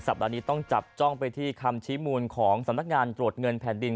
ปัดนี้ต้องจับจ้องไปที่คำชี้มูลของสำนักงานตรวจเงินแผ่นดิน